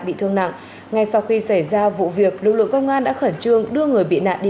bị thương nặng ngay sau khi xảy ra vụ việc lực lượng công an đã khẩn trương đưa người bị nạn đi